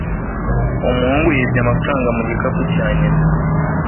umuhungu yibye amafaranga mu gikapu cya nyina